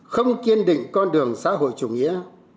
không kiên định con đường xã hội chủ nghĩa